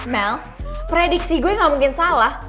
mel prediksi gue gak mungkin salah